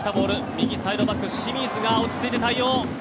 右サイドバックの清水が落ち着いて対応。